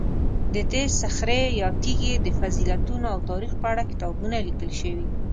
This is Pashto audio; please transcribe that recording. د دې صخرې یا تیږې د فضیلتونو او تاریخ په اړه کتابونه لیکل شوي.